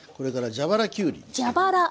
蛇腹きゅうりに。